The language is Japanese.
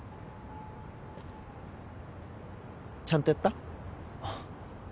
ちゃんとヤッた？